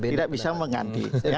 tidak bisa mengganti